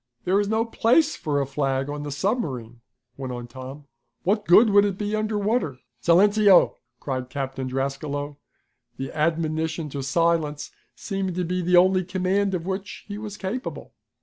"There's no place for a flag on the submarine," went on Tom. "What good would it be under water?" "Silenceo!" cried Lieutenant Drascalo, the admonition to silence seeming to be the only command of which he was capable.